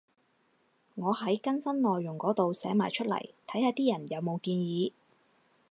我喺更新內容嗰度寫埋出嚟，睇下啲人有冇建議